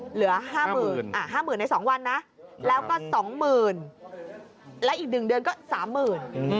เหลือห้าหมื่นอ่ะห้าหมื่นในสองวันนะแล้วก็สองหมื่นแล้วอีกหนึ่งเดือนก็สามหมื่น